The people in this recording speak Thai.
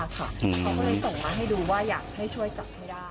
เขาก็เลยส่งมาให้ดูว่าอยากให้ช่วยจับให้ได้